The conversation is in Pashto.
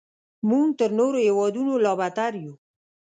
موږ تر نورو هیوادونو لا بدتر یو.